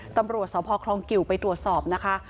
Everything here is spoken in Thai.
ตำรวจสพคลองกิวไปตรวจสอบนะคะ